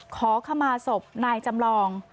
ขอขมาศพนายจำลอง